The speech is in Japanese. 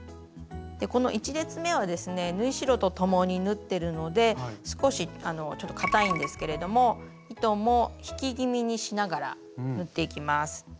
この１列目はですね縫い代とともに縫ってるので少しちょっとかたいんですけれども糸も引き気味にしながら縫っていきます。